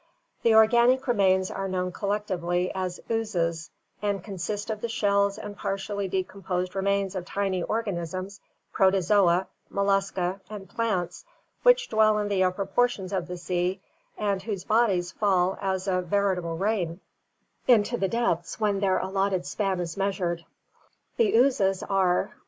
The organic remains are known collectively as oozes, and con sist of the shells and partially decomposed remains of tiny organ isms, Protozoa, Mollusca, and plants, which dwell in the upper portions of the sea and whose bodies fall as a veritable rain into the depths when their allotted span is measured. The oozes are: 1.